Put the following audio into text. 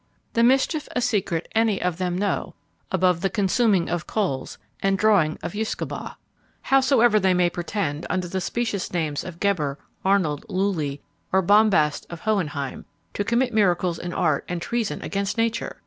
The mischief a secret any of them know, above the consuming of coals and drawing of usquebaugh! howsoever they may pretend, under the specious names of Geber, Arnold, Lulli, or bombast of Hohenheim, to commit miracles in art, and treason against nature!